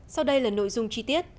sau đây là nội dung chi tiết